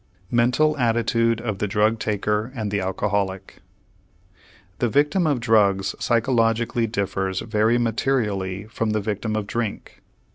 MENTAL ATTITUDE OF THE DRUG TAKER AND THE ALCOHOLIC The victim of drugs psychologically differs very materially from the victim of drink.